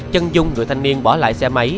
chân dung người thanh niên bỏ lại xe máy